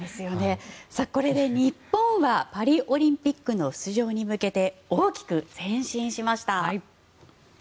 これで日本はパリオリンピックの出場に向けて大きく前進しました。